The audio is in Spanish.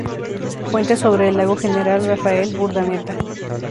Puente sobre el Lago General Rafael Urdaneta.